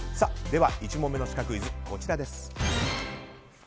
では、１問目のシカクイズです。